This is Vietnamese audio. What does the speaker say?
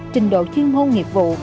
trình độ chuyên môn nghiệp vụ